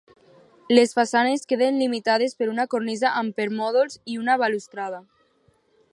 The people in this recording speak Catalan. Les façanes queden limitades per una cornisa amb permòdols i una balustrada.